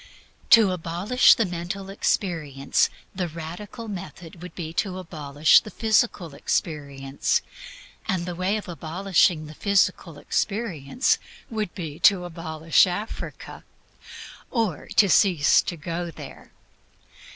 To abolish the mental experience the radical method would be to abolish the physical experience, and the way of abolishing the physical experience would be to abolish Africa, or to cease to go there.